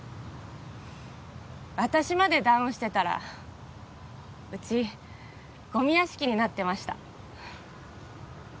私までダウンしてたらうちゴミ屋敷になってました